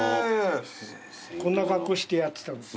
こんな格好してやってたんです。